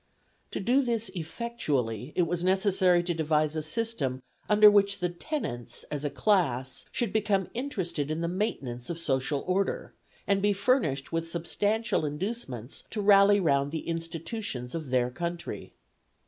To do this effectually it was necessary to devise a system under which the tenants, as a class, should become interested in the maintenance of social order, and be furnished with substantial inducements to rally round the institutions of their country.